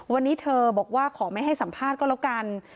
วันนี้เธอบอกว่าขอไม่ให้สัมภาษณ์ก็แล้วกัน